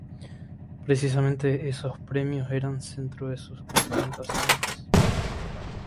Precisamente esos premios eran centro de sus confrontaciones.